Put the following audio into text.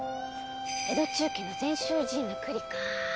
江戸中期の禅宗寺院の庫裏か。